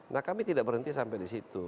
nah kami tidak berhenti sampai di situ